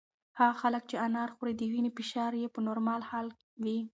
هغه خلک چې انار خوري د وینې فشار یې په نورمال حال وي.